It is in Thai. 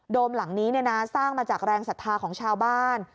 โดมหลังนี้สร้างมาจากแรงสัตว์ภาคของชาวบ้าน